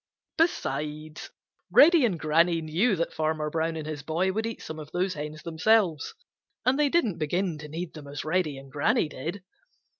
Besides, Reddy and Granny knew that Fanner Brown and his boy would eat some of those hens themselves, and they didn't begin to need them as Reddy and Granny did.